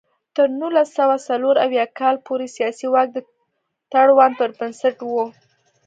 تر نولس سوه څلور اویا کال پورې سیاسي واک د تړون پر بنسټ و.